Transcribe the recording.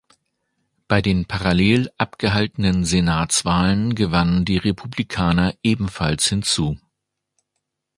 Bei den parallel abgehaltenen Senatswahlen gewannen die Republikaner ebenfalls hinzu.